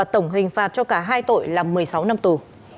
tổng hình phạt cho cả hai tội là một mươi sáu năm tù